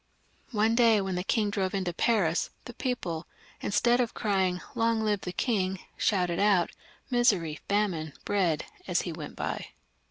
One day, when the king drove into Paris, the people, instead of crying, " Long live the King !" shouted out " Misery, famine, bread !" as he went by.